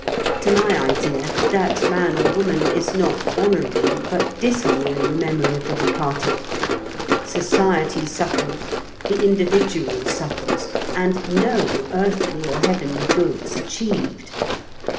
To my idea, that man or woman is not honouring, but dishonouring, the memory of the departed; society suffers, the individual suffers, and no earthly or heavenly good is achieved.